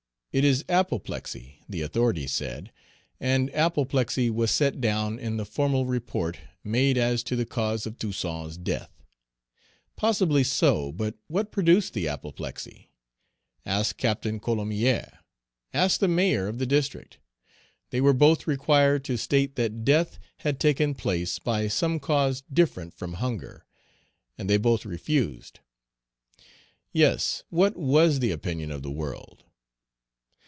"It is apoplexy," the authorities said; and apoplexy was set down in the formal report made as to the cause of Toussaint's death. Possibly so; but what produced the apoplexy? Ask Captain Colomier, ask the mayor of the district. They were both required to state that death had taken place by some cause different from hunger, and they both refused! Yes; what was the opinion of the world?